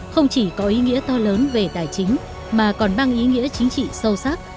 không chỉ có ý nghĩa to lớn về tài chính mà còn mang ý nghĩa chính trị sâu sắc